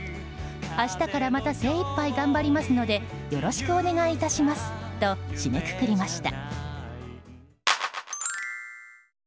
明日からまた精いっぱい頑張りますのでよろしくお願いいたしますと締めくくりました。